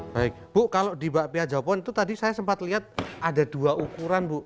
baik bu kalau di bakpia japon itu tadi saya sempat lihat ada dua ukuran bu